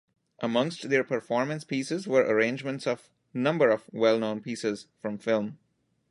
Amongst their performance pieces were arrangements of number of well known pieces from Film.